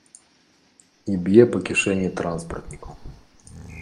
І б'е па кішэні транспартнікаў.